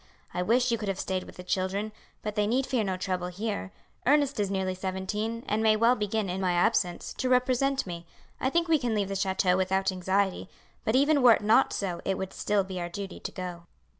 "I wish you could have stayed with the children, but they need fear no trouble here. Ernest is nearly seventeen, and may well begin, in my absence, to represent me. I think we can leave the chateau without anxiety, but even were it not so it would still be our duty to go."